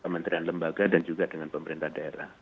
kementerian lembaga dan juga dengan pemerintah daerah